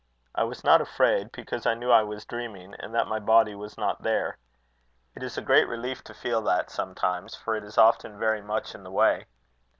I was not afraid, because I knew I was dreaming, and that my body was not there. It is a great relief to feel that sometimes; for it is often very much in the way.